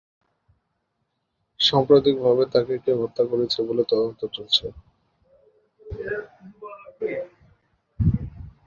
সাম্প্রতিক ভাবে তাকে কেউ হত্যা করেছে বলে তদন্ত চলছে।